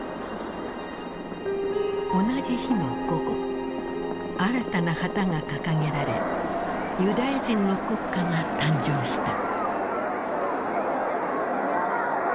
同じ日の午後新たな旗が掲げられユダヤ人の国家が誕生した。